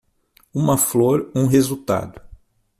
Uma flor, um resultado